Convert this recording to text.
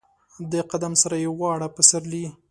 د قدم سره یې واړه پسرلي